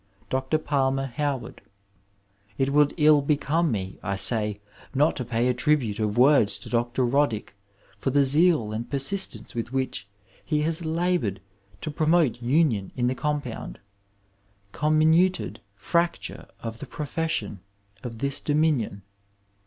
Dr. Palmer Howard — it would ill become me, I say, not to pay a tribute of words to Dr. Roddick for the zeal and persistence with which he has laboured to promote union in the compound, comminuted fracture of the profession of this Dominion.